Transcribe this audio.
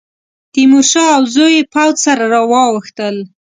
تیمورشاه او زوی یې پوځ سره واوښتل.